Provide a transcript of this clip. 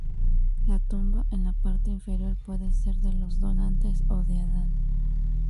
La tumba en la parte inferior puede ser de los donantes o de Adán.